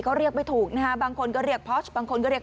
เขาเรียกไปถูกนะคะบางคนก็เรียกบางคนก็เรียก